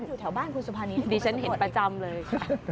อยู่แถวบ้านครูสาผานีหวัดดีฉันเห็นประจำเลย